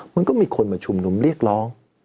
มันก็มีคนมาชุมนุมเรียกร้อง